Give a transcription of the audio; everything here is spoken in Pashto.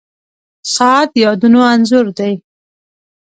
• ساعت د یادونو انځور دی.